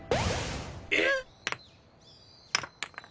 えっ？